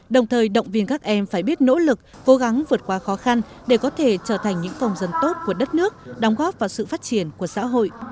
đồng thời động viên các em phải biết nỗ lực cố gắng vượt qua khó khăn để có thể trở thành những phòng dân tốt của đất nước đóng góp vào sự phát triển của xã hội